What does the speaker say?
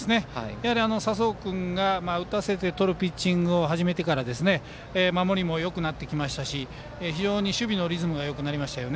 佐宗君が打たせてとるピッチングを始めてから守りもよくなりましたし非常に守備のリズムがよくなりました。